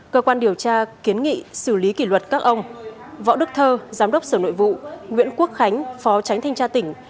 cơ quan điều tra kiến nghị xử lý kỷ luật các ông võ đức thơ giám đốc sở nội vụ nguyễn quốc khánh phó tránh thanh tra tỉnh